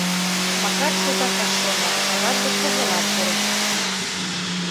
Макар шукак ыш шоно, аваж дек куржынат пурыш.